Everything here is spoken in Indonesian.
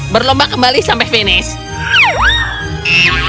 berlomba kembali sampai selesai